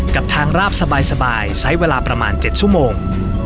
กับทางราบสบายใช้เวลาประมาณ๗ชั่วโมง